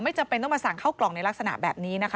จำเป็นต้องมาสั่งเข้ากล่องในลักษณะแบบนี้นะคะ